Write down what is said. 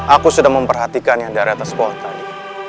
aku sudah memperhatikannya dari atas pohon tadi